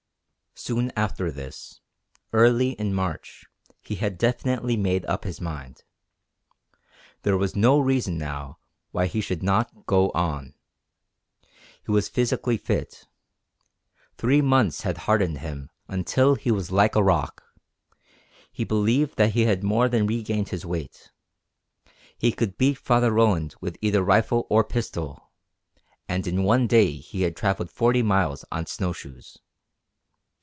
Soon after this, early in March, he had definitely made up his mind. There was no reason now why he should not go on. He was physically fit. Three months had hardened him until he was like a rock. He believed that he had more than regained his weight. He could beat Father Roland with either rifle or pistol, and in one day he had travelled forty miles on snow shoes.